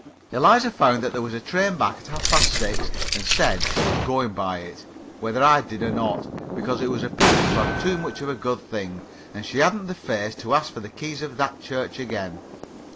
Eliza found that there was a train back at half past six, and said she was going by it, whether I did or not, because it was a pity to have too much of a good thing, and she hadn't the face to ask for the keys of that church again.